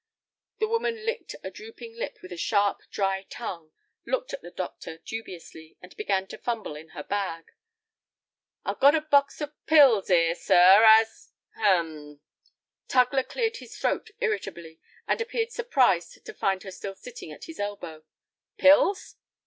The woman licked a drooping lip with a sharp, dry tongue, looked at the doctor dubiously, and began to fumble in her bag. "I've got a box of pills 'ere, sir, as—" "Hem." Tugler cleared his throat irritably, and appeared surprised to find her still sitting at his elbow. "Pills?"